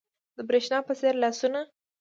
د برېښنا په څیر لاسونه